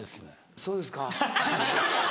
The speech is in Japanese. そうですか。